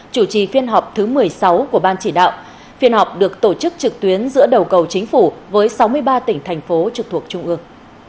chủ trì phiên họp thứ một mươi sáu của ban chỉ đạo phiên họp được tổ chức trực tuyến giữa đầu cầu chính phủ với sáu mươi ba tỉnh thành phố trực thuộc trung ương